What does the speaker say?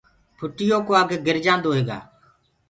ڦُٽِيو ڪو اَگھ گِرجآنٚدو هيگآ